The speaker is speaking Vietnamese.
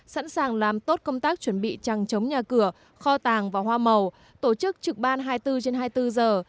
sẵn sàng làm tốt công tác chuẩn bị trăng chống nhà cửa kho tàng và hoa màu tổ chức trực ban hai mươi bốn trên hai mươi bốn giờ